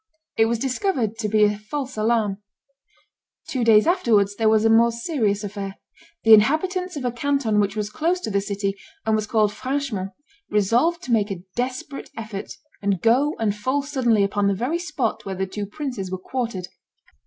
It was discovered to be a false alarm. Two days afterwards there was a more serious affair. The inhabitants of a canton which was close to the city, and was called Franchemont, resolved to make a desperate effort, and go and fall suddenly upon the very spot where the two princes were quartered.